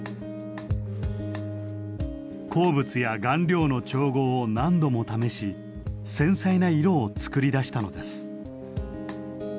鉱物や顔料の調合を何度も試し繊細な色を作り出したのです。